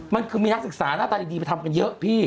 มันคือมีนักศึกษาหน้าตาดีไปทำกันเยอะพี่